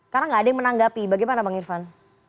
karena gak ada yang menanggapi bagaimana bang irvan